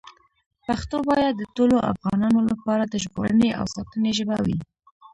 پښتو باید د ټولو افغانانو لپاره د ژغورنې او ساتنې ژبه وي.